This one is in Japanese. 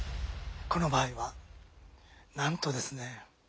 この場合はなんとですね